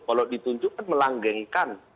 kalau ditunjukkan melanggengkan